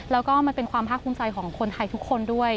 แล้วก็มันเป็นความภาคภูมิใจของคนไทยทุกคนด้วย